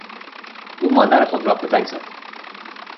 او مادر خود را کتک زد.